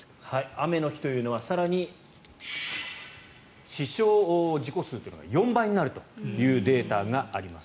雨の日というのは更に死傷事故数というのが４倍になるというデータがあります。